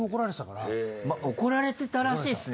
怒られてたらしいですね